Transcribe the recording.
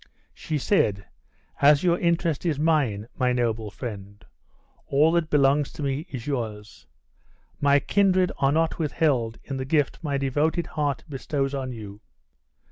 She said: "As your interest is mine, my noble friend, all that belongs to me is yours. My kindred are not withheld in the gift my devoted heart bestows on you.